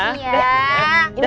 kita masuk dulu